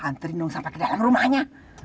antri dong sampai ke dalam rumahnya